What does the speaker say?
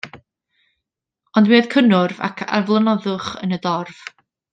Ond mi oedd cynnwrf ac aflonyddwch yn y dorf.